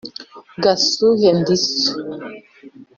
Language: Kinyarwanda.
gasuhe ndi so